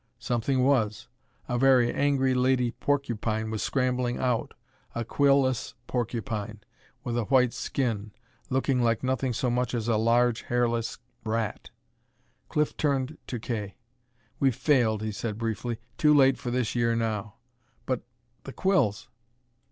Something was. A very angry lady porcupine was scrambling out, a quillless porcupine, with a white skin, looking like nothing so much as a large, hairless rat. Cliff turned to Kay. "We've failed," he said briefly. "Too late for this year now." "But the quills?"